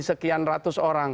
sekian ratus orang